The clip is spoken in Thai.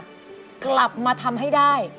แล้วกลับมาทำให้ได้